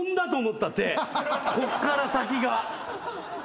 こっから先が。